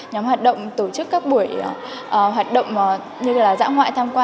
nhóm hoạt động tổ chức các buổi hoạt động như là dã ngoại tham quan